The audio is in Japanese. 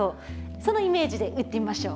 そのイメージで打ってみましょう。